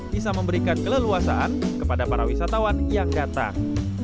bisa memberikan keleluasaan kepada para wisatawan yang datang